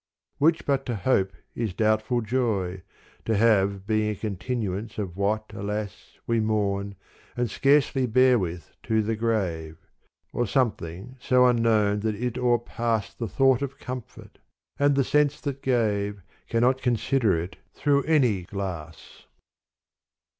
Which but to hope is doubtful joy, to have Being a continuance of what, alas, We mourn and scarcely bear with to the grave : Or something so unknown that it o'erpass The thought of comfort : and the sense that gave Cannot consider it through any glass.